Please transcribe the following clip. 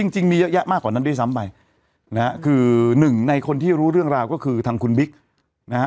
จริงมีเยอะแยะมากกว่านั้นด้วยซ้ำไปนะฮะคือหนึ่งในคนที่รู้เรื่องราวก็คือทางคุณบิ๊กนะฮะ